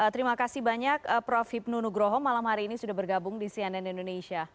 terima kasih banyak prof hipnu nugroho malam hari ini sudah bergabung di cnn indonesia